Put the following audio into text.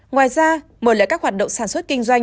ngoài ra mời lại các hoạt động sản xuất kinh doanh